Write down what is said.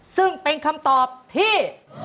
ซึ่งเป็นคำตอบที่